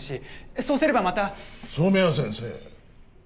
そうすればまた染谷先生